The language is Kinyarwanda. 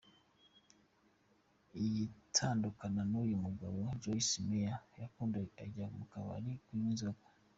Agitandukana n’uyu mugabo, Joyce Meyer yakundaga kujya mu kabari kunywa inzoga.